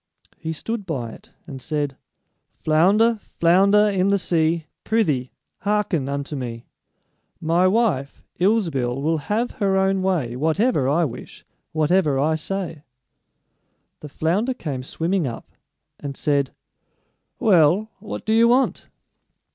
He stood by it and said: "Flounder, flounder in the sea, Prythee, hearken unto me: My wife, Ilsebil, will have her own way Whatever I wish, whatever I say." The flounder came swimming up, and said: "Well, what do you want?"